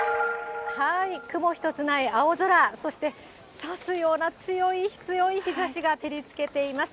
雲一つない青空、そして刺すような強い強い日ざしが照りつけています。